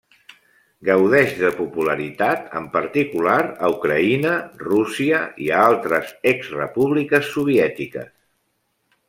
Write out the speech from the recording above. Gaudeix de popularitat en particular a Ucraïna, Rússia, i a altres ex-Repúbliques Soviètiques.